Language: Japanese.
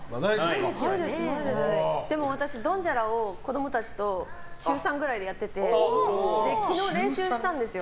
でも私、ドンジャラを子供たちと週３ぐらいでやってて昨日練習したんですよ。